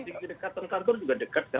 dari tinggi dekat tentang itu juga dekat